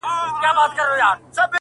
زاهده مه راوړه محفل ته توبه ګاري کیسې!!